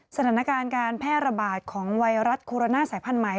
สถานการณ์การแพร่ระบาดของไวรัสโคโรนาสายพันธุใหม่